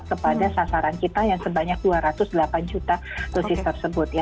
kepada sasaran kita yang sebanyak dua ratus delapan juta dosis tersebut